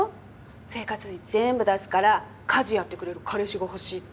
生活費全部出すから家事やってくれる彼氏が欲しいって。